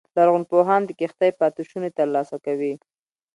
لرغونپوهان د کښتۍ پاتې شونې ترلاسه کوي